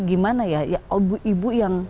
gimana ya ibu yang